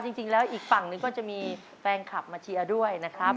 จริงแล้วอีกฝั่งหนึ่งก็จะมีแฟนคลับมาเชียร์ด้วยนะครับ